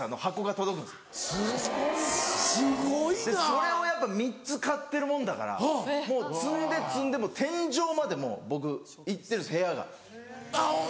それをやっぱ３つ買ってるもんだからもう積んで積んでもう天井までもう僕行ってるんです部屋が。